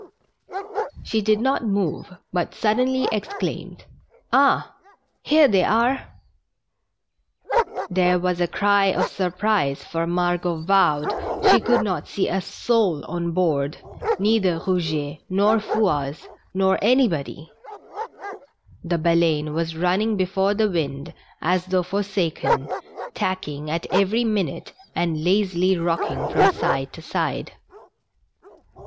She did not move, but suddenly exclaimed ." Ah ! Here they are I "' There was a cry of surprise, for Margot vowed she could not see a soul on board, neither Eouget, nor Fou asse, nor anybody ! The Baleine was running before the wind as though forsaken, tacking at every minute, and lazily rocking from side to side.